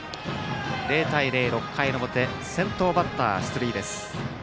０対０、６回の表先頭バッター、出塁です。